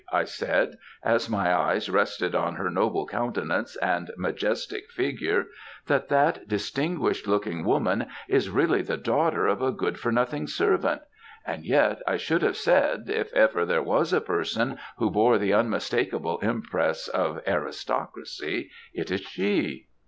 I said, as my eyes rested on her noble countenance and majestic figure, "that that distinguished looking woman is really the daughter of a good for nothing servant; and yet I should have said, if ever there was a person who bore the unmistakeable impress of aristocracy, it is she."